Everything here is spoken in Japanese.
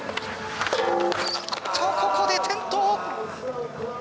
ここで転倒！